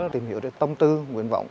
tìm hiểu được tâm tư nguyện vọng